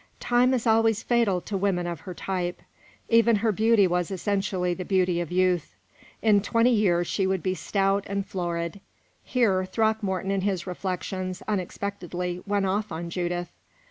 Time is always fatal to women of her type. Even her beauty was essentially the beauty of youth. In twenty years she would be stout and florid. Here Throckmorton, in his reflections, unexpectedly went off on Judith.